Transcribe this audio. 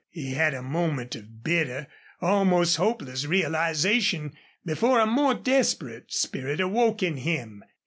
He had a moment of bitter, almost hopeless realization before a more desperate spirit awoke in him.